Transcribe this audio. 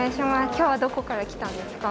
今日はどこから来たんですか？